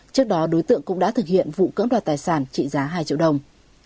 trước đó đối tượng cũng đã thực hiện vụ cưỡng đoạt tài sản trị giá hai triệu đồng